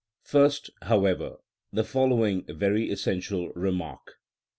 § 31. First, however, the following very essential remark.